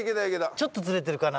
ちょっとずれてるかな。